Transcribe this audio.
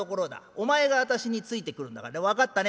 お前が私についてくるんだからね分かったね。